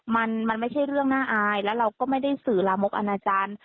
มันมันไม่ใช่เรื่องน่าอายแล้วเราก็ไม่ได้สื่อลามกอนาจารย์